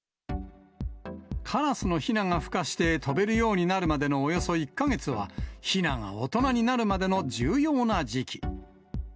カラスのひながふかして飛べるようになるまでのおよそ１か月は、ひなが大人になるまでの重要な時期。